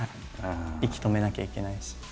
息止めなきゃいけないし。